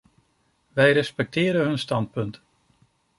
Wij respecteren hun standpunt.